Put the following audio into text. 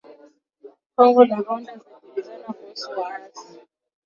Kongo na Rwanda zajibizana kuhusu waasi